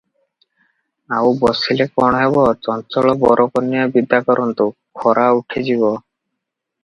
ଆଉ ବସିଲେ କଣ ହେବ, ଚଞ୍ଚଳ ବର କନ୍ୟା ବିଦା କରନ୍ତୁ; ଖରା ଉଠିଯିବ ।"